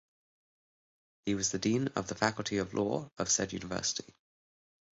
He was Dean of the Faculty of Law of said university.